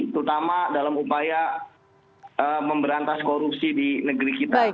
terutama dalam upaya memberantas korupsi di negeri kita